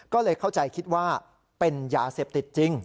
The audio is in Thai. ก็เลยเข้าใจคิดว่าเป็นยาเสพติดจริง